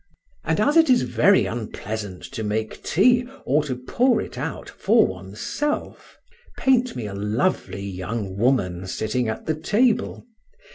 And as it is very unpleasant to make tea or to pour it out for oneself, paint me a lovely young woman sitting at the table.